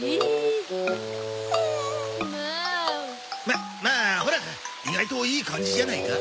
ままあほら意外といい感じじゃないか？